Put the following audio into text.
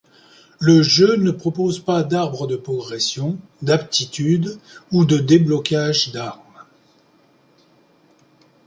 Le jeu ne propose pas d'arbres de progression, d'aptitudes, ou de déblocages d'armes.